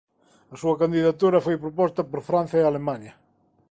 A súa candidatura foi proposta por Francia e Alemaña.